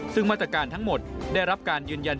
ซึ่งมาตรการทั้งหมดได้รับการยืนยัน